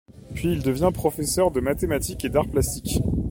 Puis il devient professeur de mathématiques et d'arts plastiques.